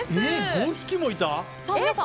５匹もいた？